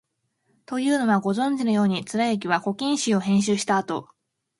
というのは、ご存じのように、貫之は「古今集」を編集したあと、